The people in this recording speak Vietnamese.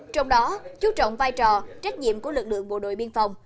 trong đó chú trọng vai trò trách nhiệm của lực lượng bộ đội biên phòng